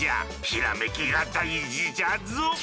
ひらめきが大事じゃぞ！